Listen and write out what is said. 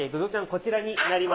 こちらになります。